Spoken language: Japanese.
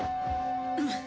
うん。